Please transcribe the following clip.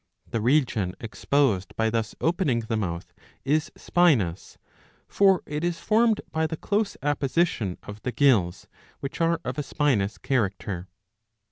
The region exposed by thus opening the mouth is spinous ; for it is formed by the close apposition of the gills, which are of a spinous character.